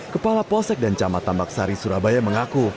kepala polsek dan camat tambak sari surabaya mengaku